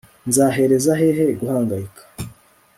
nzahereza hehe guhangayika